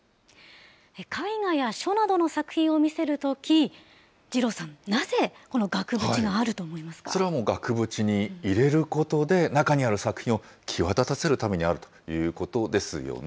絵画や書などの作品を見せるとき、二郎さん、なぜ、それはもう、額縁に入れることで、中にある作品を際立たせるためにあるということですよね。